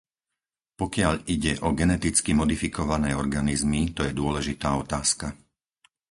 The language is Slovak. Pokiaľ ide o geneticky modifikované organizmy, to je dôležitá otázka.